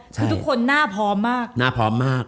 คือทุกคนหน้าพร้อมมากหน้าพร้อมมาก